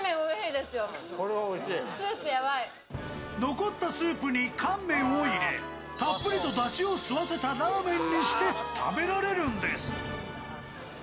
残ったスープに乾麺を入れ、たっぷりとだしを吸わせたラーメンにして食べられるんです。